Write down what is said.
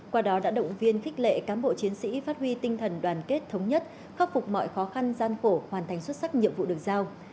qua đó đã động viên khích lệ cán bộ chiến sĩ phát huy tinh thần đoàn kết thống nhất khắc phục mọi khó khăn gian khổ hoàn thành xuất sắc nhiệm vụ được giao